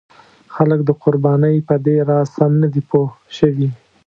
خلک د قربانۍ په دې راز سم نه دي پوه شوي.